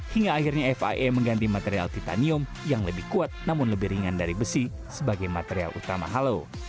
hingga akhirnya fia mengganti material titanium yang lebih kuat namun lebih ringan dari besi sebagai material utama halo